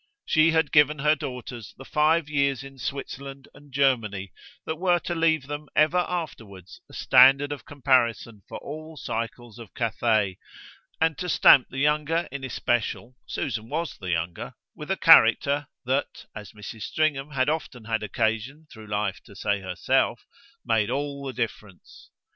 She had given her daughters the five years in Switzerland and Germany that were to leave them ever afterwards a standard of comparison for all cycles of Cathay, and to stamp the younger in especial Susan was the younger with a character, that, as Mrs. Stringham had often had occasion, through life, to say to herself, made all the difference.